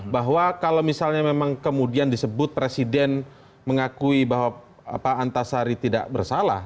bahwa kalau misalnya memang kemudian disebut presiden mengakui bahwa pak antasari tidak bersalah